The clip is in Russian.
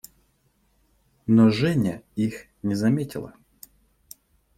Но Женя их не заметила.